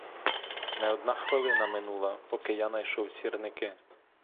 Не одна хвилина минула, поки я найшов сірники.